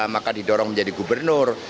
maka didorong menjadi gubernur